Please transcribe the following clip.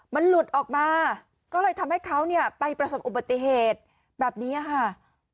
มันหลุดออกมาก็เลยทำให้เขาเนี่ยไปประสบอุบัติเหตุแบบนี้ค่ะ